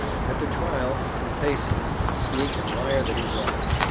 At the trial Compeyson (sneak and liar as he was!)